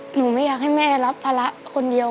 หนูไม่อยากให้แม่รับภาระคนเดียว